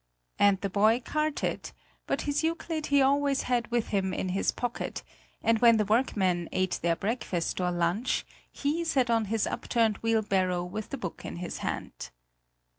And the boy carted; but his Euclid he always had with him in his pocket, and when the workmen ate their breakfast or lunch, he sat on his upturned wheelbarrow with the book in his hand.